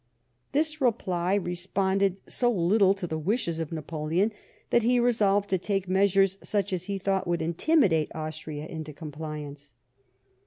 This reply responded so little to the wishes of Napoleon that he resolved to take measures such as he thought would intimidate Austria into compliance.